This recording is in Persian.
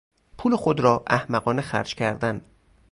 پول خود را احمقانه خرج کردن